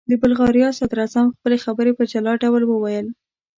د بلغاریا صدراعظم خپلې خبرې په جلا ډول وویل.